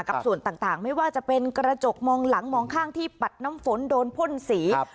ส่วนต่างไม่ว่าจะเป็นกระจกมองหลังมองข้างที่ปัดน้ำฝนโดนพ่นสี